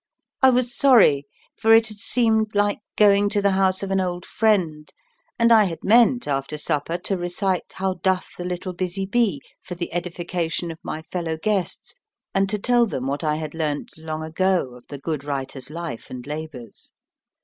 I was sorry, for it had seemed like going to the house of an old friend, and I had meant after supper to recite "How doth the little Busy Bee" for the edification of my fellow guests, and to tell them what I had learnt long ago of the good writer's life and labours.